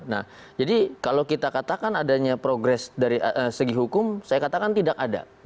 nah jadi kalau kita katakan adanya progres dari segi hukum saya katakan tidak ada